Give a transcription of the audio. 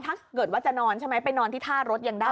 ถ้าเกิดว่าจะนอนใช่ไหมไปนอนที่ท่ารถยังได้